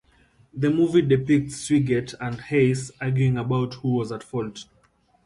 The movie depicts Swigert and Haise arguing about who was at fault.